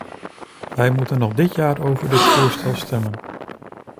Wij moeten nog dit jaar over dit voorstel stemmen.